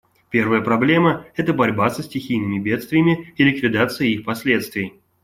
Первая проблема — это борьба со стихийными бедствиями и ликвидация их последствий.